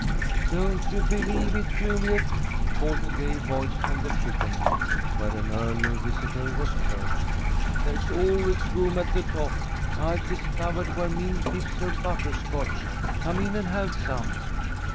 "Don't you believe it, Juliet!" called a gay voice from the chiffonier, where an earlier visitor was perched. "There's always room at the top. I've discovered where Min keeps her butter scotch. Come in and have some."